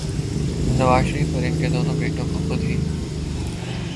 اب نواز شریف اور ان کے دونوں بیٹوں کو خود ہی